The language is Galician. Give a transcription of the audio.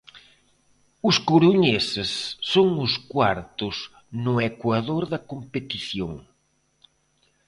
Os coruñeses son os cuartos no ecuador da competición.